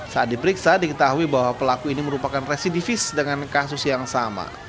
saat diperiksa diketahui bahwa pelaku ini merupakan residivis dengan kasus yang sama